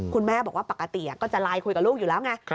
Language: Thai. คุณแม่บอกว่าปกติก็จะไลน์คุยกับลูกอยู่แล้วไง